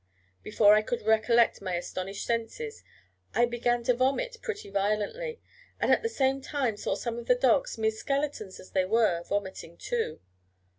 Before I could collect my astonished senses, I began to vomit pretty violently, and at the same time saw some of the dogs, mere skeletons as they were, vomiting, too.